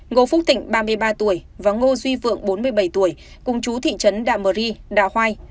ngô phúc thịnh ba mươi ba tuổi và ngô duy vượng bốn mươi bảy tuổi cùng chú thị trấn đạ mơ ri đạ hoai